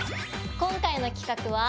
今回の企画は？